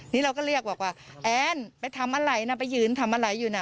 นี่เราก็เรียกบอกว่าแอนไปทำอะไรนะไปยืนทำอะไรอยู่น่ะ